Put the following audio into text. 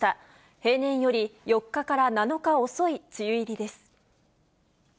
平年より４日から７日遅い梅雨入りです。